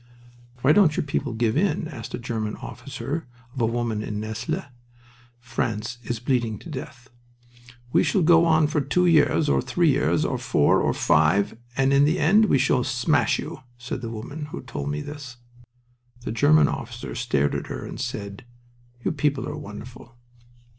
"Why don't your people give in?" asked a German officer of a woman in Nesle. "France is bleeding to death." "We shall go on for two years, or three years, or four, or five, and in the end we shall smash you," said the woman who told me this. The German officer stared at her and said, "You people are wonderful!"